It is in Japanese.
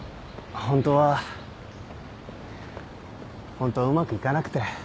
ホントはうまくいかなくて。